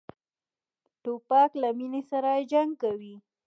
توپک له مینې سره جنګ کوي.